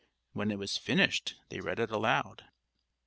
When it was finished they read it aloud.